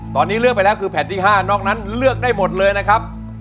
ตอนนี้เลือกไปแล้วคือแผ่นที่๕นอกนั้นเลือกได้หมดเลยนะครับ